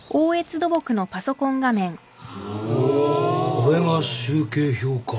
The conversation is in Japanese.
これが集計表か。